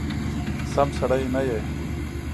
سم سړی نه یې !